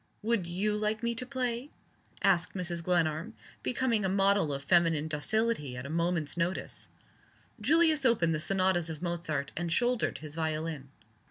"Would you like me to play?" asked Mrs. Glenarm, becoming a model of feminine docility at a moment's notice. Julius opened the Sonatas of Mozart, and shouldered his violin.